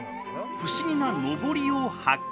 不思議なのぼりを発見！